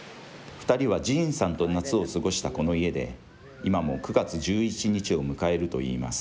２人はジーンさんと夏を過ごしたこの家で、今も９月１１日を迎えるといいます。